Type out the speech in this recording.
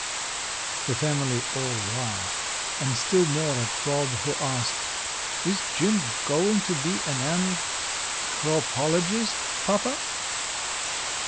The family all laughed, and still more at Rob, who asked, "Is Jim going to be an ant hropologist, papa?"